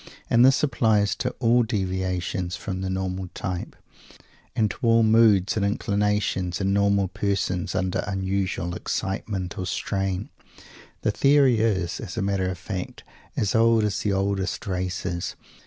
And this applies to all deviations from the normal type, and to all moods and inclinations in normal persons under unusual excitement or strain. The theory is, as a matter of fact, as old as the oldest races.